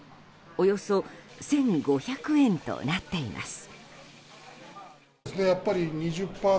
およそ１５００円となっています。